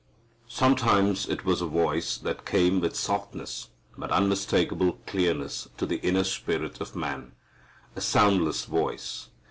Sometimes it was a voice that came with softness but unmistakable clearness to the inner spirit of man, a soundless voice.